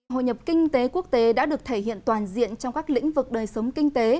hội nhập kinh tế quốc tế đã được thể hiện toàn diện trong các lĩnh vực đời sống kinh tế